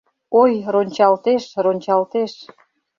Ой, рончалтеш, рончалтеш